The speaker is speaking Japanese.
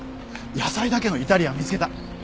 野菜だけのイタリアン見つけた。